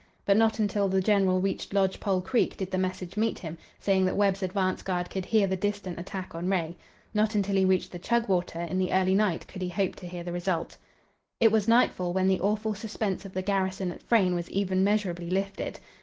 But not until the general reached Lodge Pole Creek did the message meet him, saying that Webb's advance guard could hear the distant attack on Ray. Not until he reached the Chugwater in the early night could he hope to hear the result. It was nightfall when the awful suspense of the garrison at Frayne was even measurably lifted.